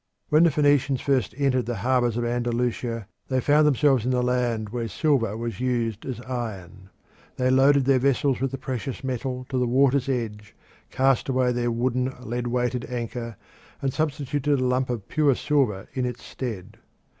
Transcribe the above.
When the Phoenicians first entered the harbours of Andalusia they found themselves in a land where silver was used as iron. They loaded their vessel with the precious metal to the water's edge, cast away their wooden lead weighted anchor, and substituted a lump of pure silver in its stead.